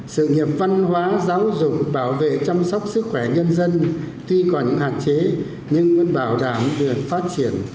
sự nghiệp văn hóa giáo dục bảo vệ chăm sóc sức khỏe nhân dân tuy còn hạt chế nhưng vẫn bảo đảm được phát triển